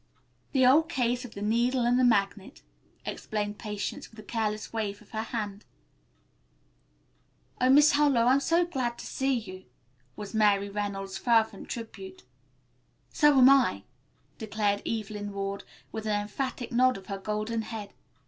"The old case of the needle and the magnet," explained Patience with a careless wave of her hand. "Oh, Miss Harlowe I'm so glad to see you," was Mary Reynolds' fervent tribute. "So am I," declared Evelyn Ward, with an emphatic nod of her golden head.